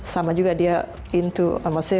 sama juga dia